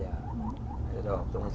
ya mau sudah waktunya aja